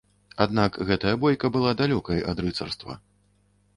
Аднак гэтая бойка была далёкай ад рыцарства.